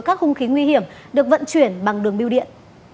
các hung khí nguy hiểm được vận chuyển bằng đường biêu điện